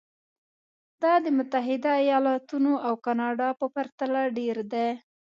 دا د متحده ایالتونو او کاناډا په پرتله ډېر دي.